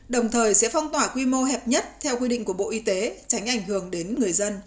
đồng thời sẽ phong tỏa quy mô hẹp nhất theo quy định của bộ y tế tránh ảnh hưởng đến người dân